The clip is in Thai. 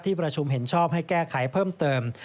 ประชุมเห็นชอบให้แก้ไขเพิ่มเติม